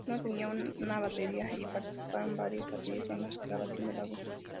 No tenían un batería, y participaron varios baterías en la grabación del álbum.